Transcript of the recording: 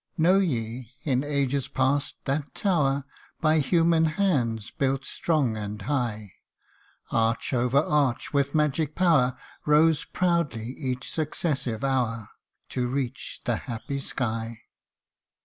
KNOW ye in ages past that tower By human hands built strong and high ? Arch over arch, with magic power, Rose proudly each successive hour, To reach the happy sky.